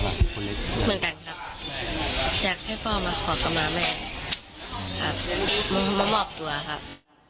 เหมือนกันครับอยากให้พ่อมาขอคำมาแม่ครับมามอบตัวครับ